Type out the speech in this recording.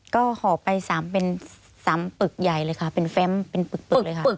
ก็ห่อไป๓เป็น๓ปึกใหญ่เลยค่ะเป็นแฟมเป็นปึกเลยค่ะ